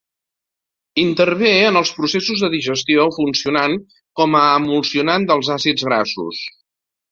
Intervé en els processos de digestió funcionant com a emulsionant dels àcids grassos.